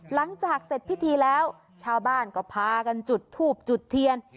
หลังจากเสร็จพิธีแล้วชาวบ้านก็พากันจุดทูบจุดเทียน